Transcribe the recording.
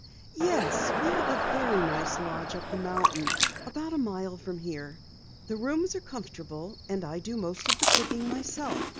"Yes, we have a very nice lodge up the mountain about a mile from here. The rooms are comfortable, and I do most of the cooking myself.